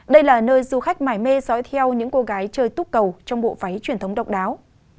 đây là nơi du khách mải mê sói theo những cô gái chơi tốt cầu trong bộ váy truyền thống độc đáo